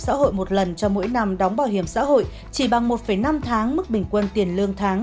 xã hội một lần cho mỗi năm đóng bảo hiểm xã hội chỉ bằng một năm tháng mức bình quân tiền lương tháng